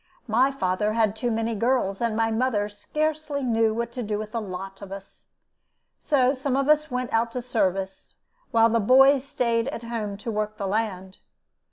My father had too many girls, and my mother scarcely knew what to do with the lot of us. So some of us went out to service, while the boys staid at home to work the land.